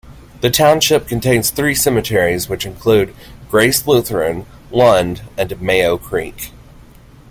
The township contains three cemeteries which include: Grace Lutheran, Lunde and Mayo Creek.